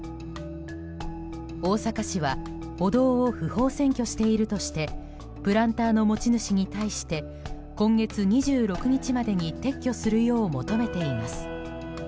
大阪市は歩道を不法占拠しているとしてプランターの持ち主に対して今月２６日までに撤去するよう求めています。